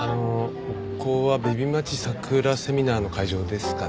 ここはベビ待ち桜セミナーの会場ですかね？